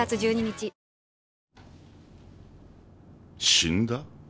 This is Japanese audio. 死んだ？